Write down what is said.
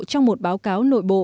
trong một báo cáo nội bộ